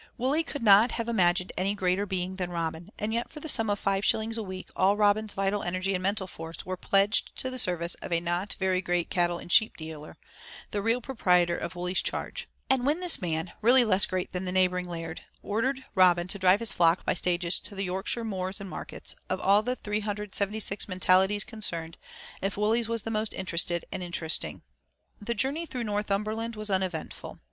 Wully could not have imagined any greater being than Robin, and yet for the sum of five shillings a week all Robin's vital energy and mental force were pledged to the service of a not very great cattle and sheep dealer, the real proprietor of Wully's charge, and when this man, really less great than the neighboring laird, ordered Robin to drive his flock by stages to the Yorkshire moors and markets, of all the 376 mentalities concerned, Wully's was the most interested and interesting. The journey through Northumberland was uneventful.